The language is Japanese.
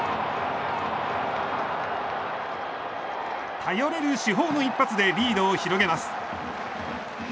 頼れる主砲の一発でリードを広げます。